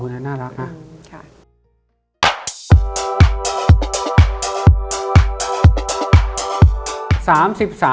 โอ้เฮ้น่ารักนะอืมค่ะ